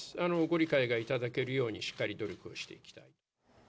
ご理解が頂けるように、しっかり努力をしていきたい。